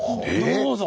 どうぞ。